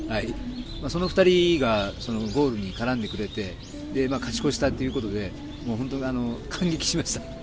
その２人がゴールに絡んでくれて勝ち越したということで感激しました。